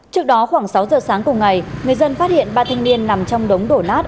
trước đó khoảng sáu giờ sáng cùng ngày người dân phát hiện ba thanh niên nằm trong đống đổ nát